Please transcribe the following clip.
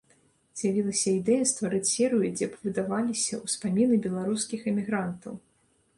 З'явілася ідэя стварыць серыю, дзе б выдаваліся ўспаміны беларускіх эмігрантаў.